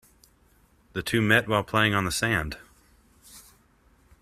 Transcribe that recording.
The two met while playing on the sand.